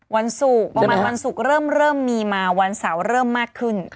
วันศุกร์ประมาณวันศุกร์เริ่มมีมาวันเสาร์เริ่มมากขึ้น